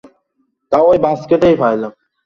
নীলুর বড় লজ্জা করতে লাগল।